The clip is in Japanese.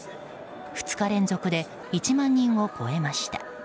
２日連続で１万人を超えました。